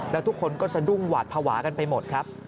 แล้วทุกคนก็สะดุ้งหวาดภาวะกันไปหมดครับ